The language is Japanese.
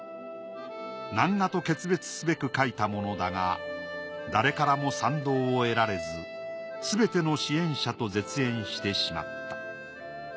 南画と決別すべく描いたものだが誰からも賛同を得られずすべての支援者と絶縁してしまった。